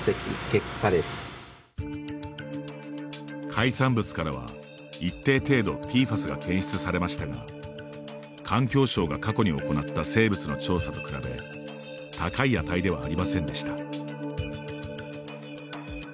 海産物からは一定程度ＰＦＡＳが検出されましたが環境省が過去に行った生物の調査と比べ高い値ではありませんでした。